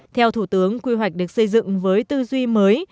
theo thủ tướng quy hoạch được xây dựng với tư duy mới